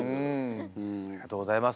ありがとうございます。